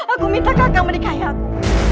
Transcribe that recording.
aku minta kakak menikahi aku